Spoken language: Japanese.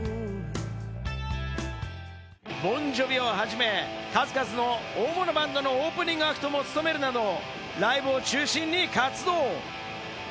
ボン・ジョヴィをはじめ、数々の大物バンドのオープニングアクトも務めるなどライブを中心に活動。